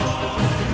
aku akan menang